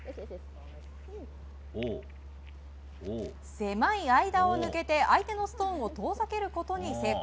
狭い間を抜けて相手のストーンを遠ざけることに成功。